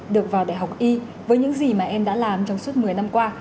được vào đại học y với những gì mà em đã làm trong suốt một mươi năm qua